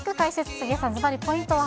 杉江さん、ずばり、ポイントは。